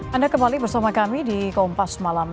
anda kembali bersama kami di kompas malam